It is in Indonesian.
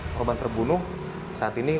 korban terbunuh saat ini